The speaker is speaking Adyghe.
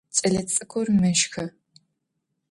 Кӏэлэцӏыкӏур мэщхы.